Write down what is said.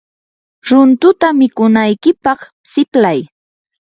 runtuta mikunaykipaq siplay.